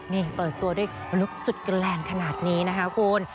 นี่เปิดตัวด้วยลุคสุดแกแรงขนาดนี้นะคะคุณ